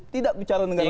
tidak bicara negara hukum